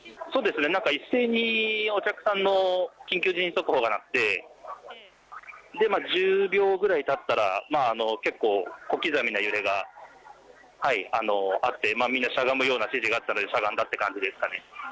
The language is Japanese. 一斉にお客さんの緊急地震速報が鳴って１０秒ぐらいたったら結構、小刻みな揺れがあってみんなしゃがむような指示があったのでしゃがんだという感じですかね。